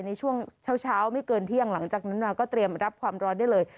ในช่วงเช้าไม่เกินเที่ยงหลังจากนั้นมาก็เตรียมรับความร้อนได้เลย